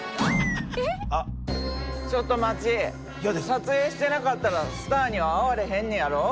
撮影してなかったらスターには会われへんねやろ？